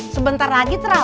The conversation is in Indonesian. sebentar lagi terawih